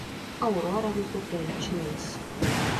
Aurora do Tocantins